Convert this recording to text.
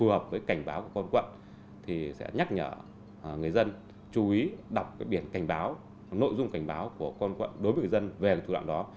cảnh báo của con quận thì sẽ nhắc nhở người dân chú ý đọc biển cảnh báo nội dung cảnh báo của con quận đối với người dân về thủ đoạn đó